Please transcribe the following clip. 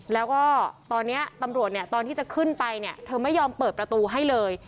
แล้วก็ตอนนี้ตำรวจเนี่ยตอนที่จะขึ้นไปเนี่ยเธอไม่ยอมเปิดประตูให้เลย